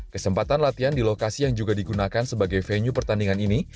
kesempatan latihan di lokasi yang juga digunakan sebagai venue pertandingan ini